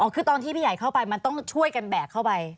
คือตอนที่พี่ใหญ่เข้าไปมันต้องช่วยกันแบกเข้าไป